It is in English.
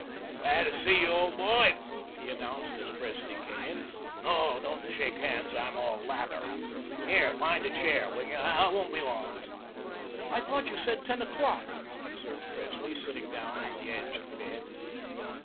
"Glad to see you, old boy," he announced, as Presley came in. "No, don't shake hands, I'm all lather. Here, find a chair, will you? I won't be long." "I thought you said ten o'clock," observed Presley, sitting down on the edge of the bed.